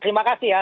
terima kasih ya